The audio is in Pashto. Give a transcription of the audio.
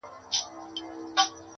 زه ومه ويده اكثر.